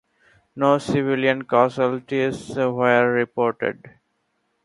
No civilian casualties were reported.